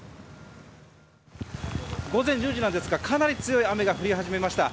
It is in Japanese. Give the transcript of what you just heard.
午前１０時なんですがかなり強い雨が降り始めました。